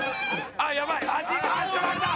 あっやばい足取られた！